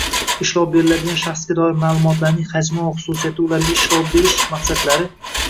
Ishlov beriladigan shaxsga doir ma’lumotlarning hajmi va xususiyati ularga ishlov berish maqsadlari